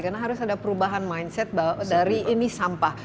karena harus ada perubahan mindset bahwa dari ini sampah